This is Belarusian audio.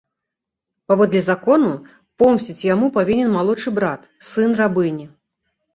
Паводле закону, помсціць яму павінен малодшы брат, сын рабыні.